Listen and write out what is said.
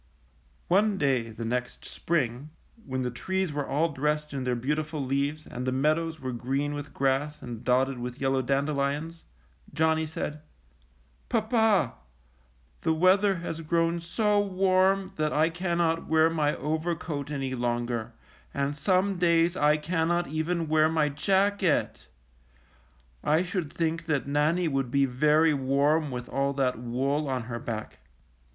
One day the next spring, when the trees were all dressed in their beautiful leaves and the meadows were green with grass and dotted with yellow dandelions, Johnny said: "Papa, the weather has grown so warm that I cannot wear my overcoat any longer, and some days I cannot even wear my jacket. I should think that Nannie would be very warm with all that wool on her back.